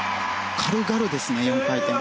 軽々ですね、４回転。